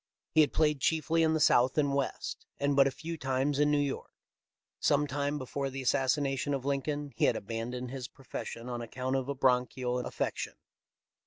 He had played chiefly in the South and West, and but a few times in New York. Some time before the assassination of Lincoln he had abandoned his profession on account of a bronchial affection.